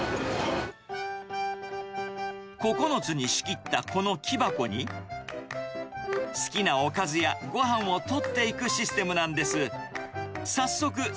９つに仕切ったこの木箱に、好きなおかずやごはんを取っていくシステムなんです。